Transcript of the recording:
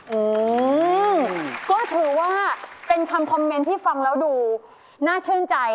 อืมก็ถือว่าเป็นคำคอมเมนต์ที่ฟังแล้วดูน่าชื่นใจ